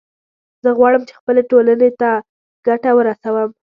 زه غواړم چې خپلې ټولنې ته ګټه ورسوم